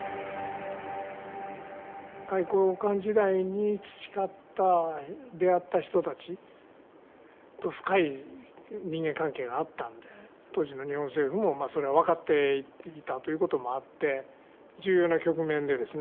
外交官時代に培った出会った人たちと深い人間関係があったんで当時の日本政府もそれは分かっていたということもあって重要な局面でですね